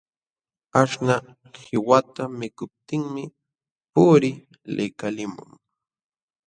Aśhnaq qiwata mikuptinmi puqri likalimun.